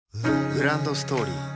グランドストーリー